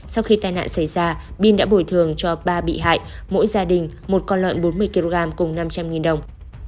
sau khi tai nạn xảy ra bin đã bồi thường cho ba bị hại mỗi gia đình một con lợn bốn mươi kg cùng năm trăm linh đồng